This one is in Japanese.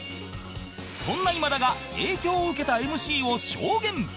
そんな今田が影響を受けた ＭＣ を証言